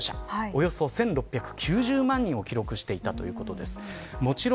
およそ１６９０万人を記録していたそうです。